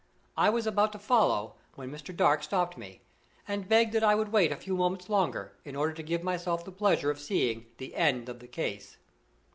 I was about to follow, when Mr. Dark stopped me, and begged that I would wait a few minutes longer, in order to give myself the pleasure of seeing "the end of the case."